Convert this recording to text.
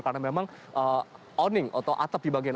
karena memang awning atau atap di bagian